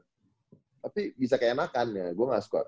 tapi bisa keenakan ya gue gak suka